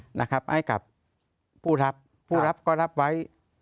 ให้กับผู้รับผู้รับก็รับไว้